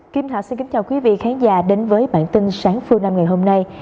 kim thạch xin kính chào quý vị khán giả đến với bản tin sáng phương nam ngày hôm nay